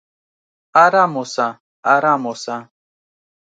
"ارام اوسه! ارام اوسه!"